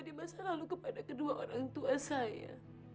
di masa lalu kepada kedua orang tua saya